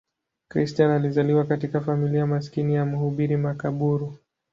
Christian alizaliwa katika familia maskini ya mhubiri makaburu.